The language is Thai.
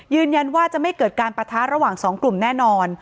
ยืนยันว่าจะไม่เกิดการปะทะระหว่างสองกลุ่มแน่นอน